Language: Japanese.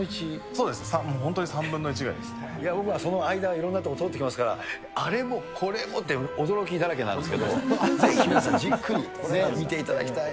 そうですね、本当に３分の１僕はその間、いろんな所通ってきてますから、あれもこれもって驚きだらけなんですけど、ぜひ皆さんじっくり見ていただきたい。